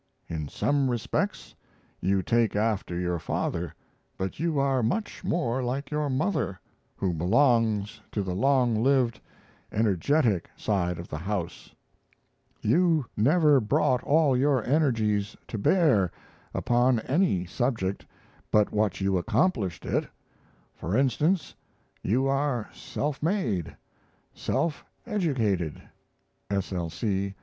In some respects you take after your father, but you are much more like your mother, who belongs to the long lived, energetic side of the house.... You never brought all your energies to bear upon any subject but what you accomplished it for instance, you are self made, self educated. 'S. L. C.'